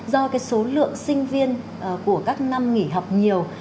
do số lượng sinh viên của các năm nghỉ học nhiều